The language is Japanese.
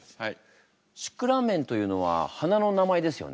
「シクラメン」というのは花の名前ですよね？